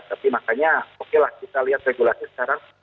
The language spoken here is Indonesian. tapi makanya oke lah kita lihat regulasi sekarang